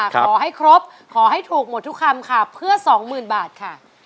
ขอให้ครบขอให้ถูกหมดทุกคำค่ะเพื่อสองหมื่นบาทค่ะ